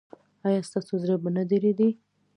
ایا ستاسو زړه به نه دریدي؟